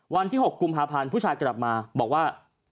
วันที่๖กุมภาพันธ์ผู้ชายกลับมาบอกว่า